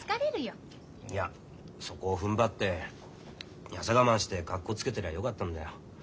いやそこをふんばって痩せ我慢してかっこつけてりゃよかったんだよ。